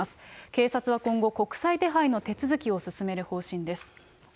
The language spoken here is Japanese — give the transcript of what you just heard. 警察は今後、国際手配の手続きを進める方針です。